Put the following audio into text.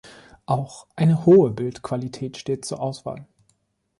Auch eine hohe Bildqualität steht zur Auswahl.